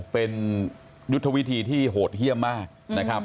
เป็นยุทธวิธีที่โหดเยี่ยมมากนะครับ